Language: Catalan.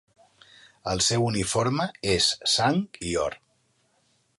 El seu uniforme és sang i or.